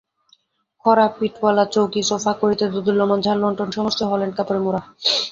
খাড়া-পিঠ-ওআলা চৌকি, সোফা, কড়িতে দোদুল্যমান ঝাড়লণ্ঠন, সমস্তই হল্যান্ড-কাপড়ে মোড়া।